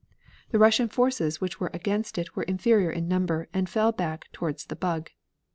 The Russian forces which were against it were inferior in number, and fell back towards the Bug.